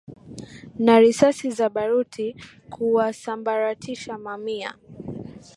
na risasi za baruti kuwasambaratisha mamia